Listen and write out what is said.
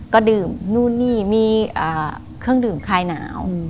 ก็ดื่มนู่นนี่มีเครื่องดื่มคลายหนาว